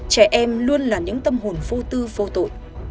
trẻ em luôn là những tâm hồn vô tư vô tội